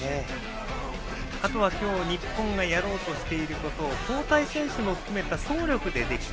あとは今日日本がやろうとしていることを交代選手も含めた総力でできた。